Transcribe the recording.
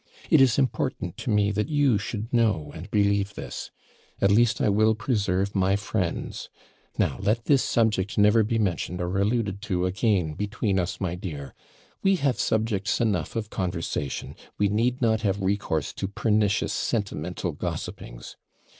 It is important to me that you should know and believe this. At least I will preserve my friends. Now let this subject never be mentioned or alluded to again between us, my dear. We have subjects enough of conversation; we need not have recourse to pernicious sentimental gossipings.